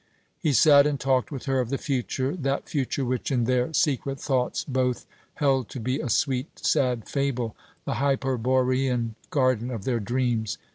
He sat and talked with her of the future that future which in their secret thoughts both held to be a sweet sad fable the hyperborean garden of their dreams.